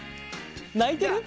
泣いてる？